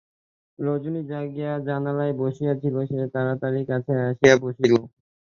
রজনী জাগিয়া জানালায় বসিয়া ছিল, সে তাড়াতাড়ি কাছে আসিয়া বসিল।